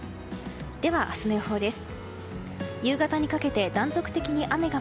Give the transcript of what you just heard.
では、明日の予報です。